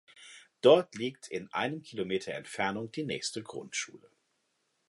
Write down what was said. Dort liegt in einem Kilometer Entfernung die nächste Grundschule.